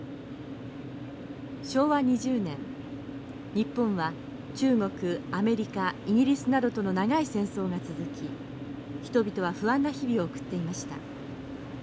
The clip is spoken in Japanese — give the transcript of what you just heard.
日本は中国アメリカイギリスなどとの長い戦争が続き人々は不安な日々を送っていました。